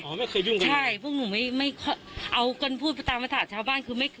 ไม่เคยยุ่งกันใช่พวกหนูไม่ไม่เอากันพูดไปตามภาษาชาวบ้านคือไม่เคย